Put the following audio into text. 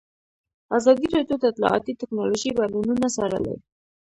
ازادي راډیو د اطلاعاتی تکنالوژي بدلونونه څارلي.